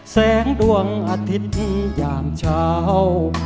แสงดวงอาทิตย์ยามเช้า